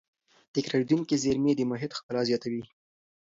تکرارېدونکې زېرمې د محیط ښکلا زیاتوي.